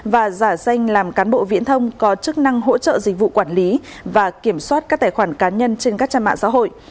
và giả danh làm cán bộ viễn thông có chức năng hỗ trợ dịch vụ quản lý và kiểm soát các tài khoản cá nhân trên các trang mạng xã hội